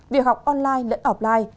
việc học online lẫn offline